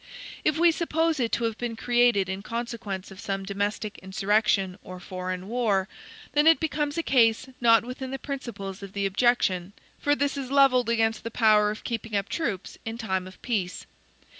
If we suppose it to have been created in consequence of some domestic insurrection or foreign war, then it becomes a case not within the principles of the objection; for this is levelled against the power of keeping up troops in time of peace.